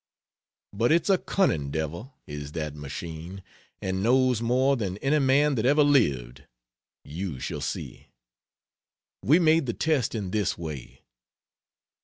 But it's a cunning devil, is that machine! and knows more than any man that ever lived. You shall see. We made the test in this way.